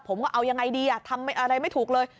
ว่าเอายังไงดีทำอะไรไม่ถูกเลย